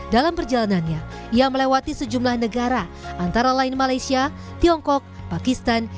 dalam perjalanannya ia melewati sejumlah negara antara lain malaysia tiongkok pakistan